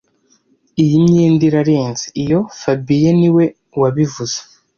Iyi myenda irarenze iyo fabien niwe wabivuze